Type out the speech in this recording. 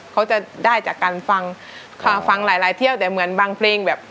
เขาจะได้จากการฟังค่ะฟังหลายหลายเที่ยวแต่เหมือนบางเพลงแบบ